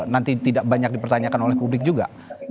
nanti tidak banyak dipertanyakan oleh publik juga